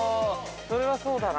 それはそうだな。